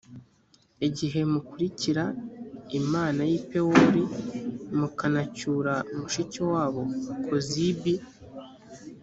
igihe mukurikira imana y’i pewori, mukanacyura mushiki wabo kozibi.